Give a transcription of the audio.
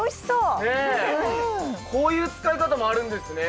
こういう使い方もあるんですね。